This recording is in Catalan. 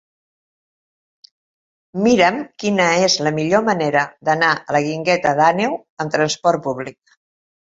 Mira'm quina és la millor manera d'anar a la Guingueta d'Àneu amb trasport públic.